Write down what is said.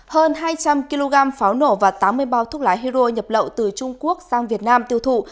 hơn hai trăm linh kg pháo nổ và tám mươi bao thuốc lá hero nhập lậu từ trung quốc sang việt nam tiêu thụ